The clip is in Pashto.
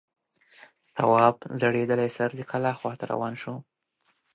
تواب ځړېدلی سر د کلا خواته روان شو.